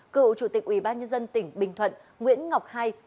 cựu chủ tịch ubnd tỉnh bình thuận nguyễn ngọc hai